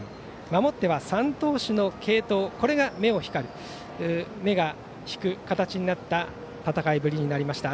守っては、３投手の継投これが目を引く形になった戦いぶりになりました。